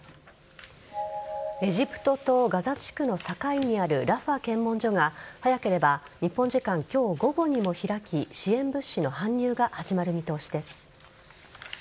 エジプトとガザ地区の境にあるラファ検問所が早ければ日本時間今日午後にも開き支援物資の搬入が始まる見通しです。